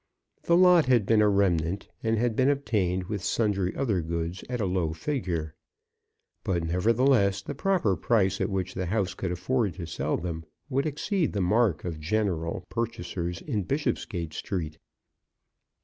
The lot had been a remnant, and had been obtained with sundry other goods at a low figure. But, nevertheless, the proper price at which the house could afford to sell them would exceed the mark of general purchasers in Bishopsgate Street.